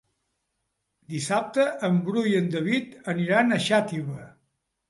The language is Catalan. Dissabte en Bru i en David aniran a Xàtiva.